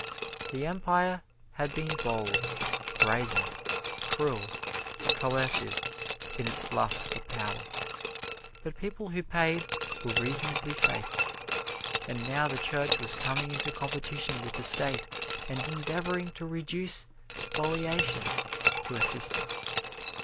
The Empire had been bold, brazen, cruel, coercive in its lust for power, but people who paid were reasonably safe. And now the Church was coming into competition with the State and endeavoring to reduce spoliation to a system.